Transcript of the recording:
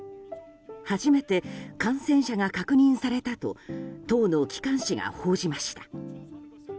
初めて感染者が確認されたと党の機関紙が報じました。